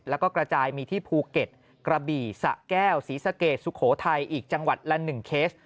แล้วก็กระจายมีที่ภูเก็ตกระบี่สะแก้วศรีสะเกดสุโขทัยอีกจังหวัดละ๑เคส